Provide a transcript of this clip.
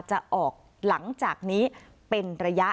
จะออกหลังจากนี้เป็นระยะ